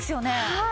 はい。